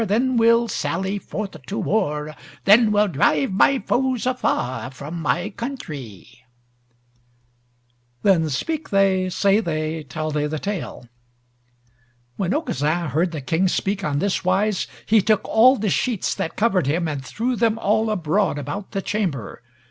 Then will sally forth to war, Then will drive my foes afar From my countrie!" Then speak they, say they, tell they the Tale: When Aucassin heard the King speak on this wise, he took all the sheets that covered him, and threw them all abroad about the chamber.